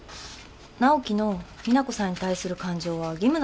直季の実那子さんに対する感情は義務なんだって。